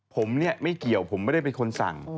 ผมเนี่ยไม่เกี่ยวผมไม่ได้เป็นคนสั่ง